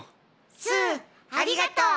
スーありがとう。